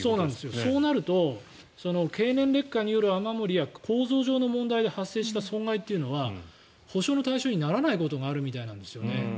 そうなると経年劣化による雨漏りや構造上の問題で発生した損害というのは補償の対象にならないことがあるみたいなんですよね。